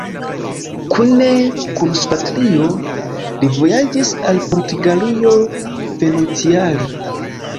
Kune kun sia patro, li vojaĝis al Portugalio venontjare.